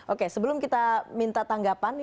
oke sebelum kita minta tanggapan